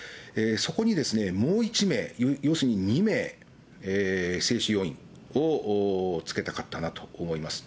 そこにもう１名、要するに２名、制止要員をつけたかったなと思います。